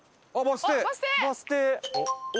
バス停！